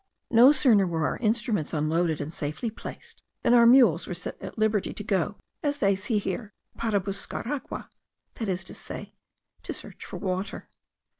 No sooner were our instruments unloaded and safely placed, than our mules were set at liberty to go, as they say here, para buscar agua, that is, "to search for water."